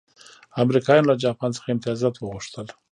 امریکایانو له جاپان څخه امتیازات وغوښتل.